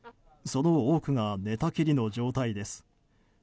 その多くが寝たきりの状態です。